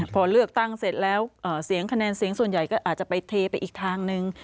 พอเลือกตั้งเสร็จแล้วเสียงคะแนนเสียงส่วนใหญ่ก็อาจจะไปเทไปอีกทางนึง